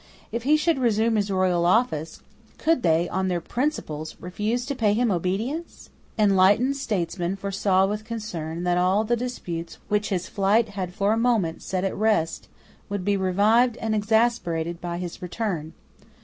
If he should resume his regal office, could they, on their principles, refuse to pay him obedience? Enlightened statesmen foresaw with concern that all the disputes which his flight had for a moment set at rest would be revived and exasperated by his return.